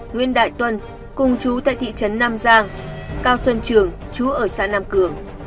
nguyễn đại tuân cùng chú tại thị trấn nam giang cao xuân trường chú ở xã nam cường